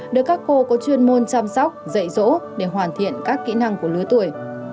để các cô có chuyên môn chăm sóc dạy rỗ để hoàn thiện các kỹ năng của lứa tuổi